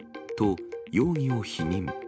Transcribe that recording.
と、容疑を否認。